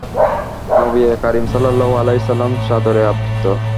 নবীয়ে কারীম সাল্লাল্লাহু আলাইহি ওয়াসাল্লাম চাদরে আবৃত।